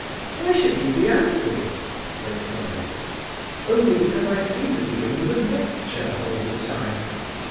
"Why should we be angry?" they cried. "Only because I seem to be giving you a lecture, all the time!"